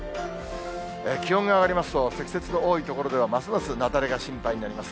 気温が上がりますと、積雪の多い所では、ますます雪崩が心配になります。